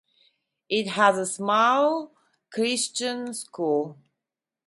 It has a small Christian school.